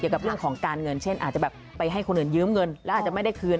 กับเรื่องของการเงินเช่นอาจจะแบบไปให้คนอื่นยืมเงินแล้วอาจจะไม่ได้คืน